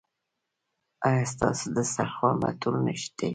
ایا ستاسو دسترخوان به ټول نه شي؟